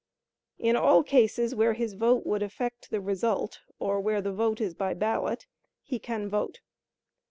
In all cases where his vote would affect the result, or where the vote is by ballot, he can vote.